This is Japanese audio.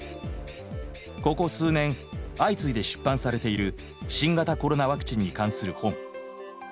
ここ数年相次いで出版されている新型コロナワクチンに関する本。